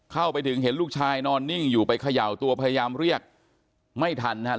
เข้าไปถึงเห็นลูกชายนอนนิ่งอยู่ไปเขย่าตัวพยายามเรียกไม่ทันนะครับ